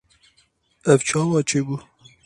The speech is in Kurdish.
Ev çawa çêbû?